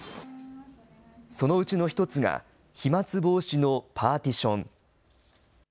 そのうちの１つが飛まつ防止のパーティション。